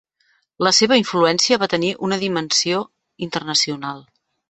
La seva influència va tenir una dimensió internacional.